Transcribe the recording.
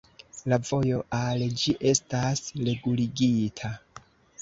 La vojo al ĝi estas reguligita.